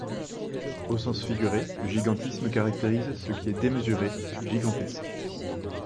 Au sens figuré, le gigantisme caractérise ce qui est démesuré, gigantesque.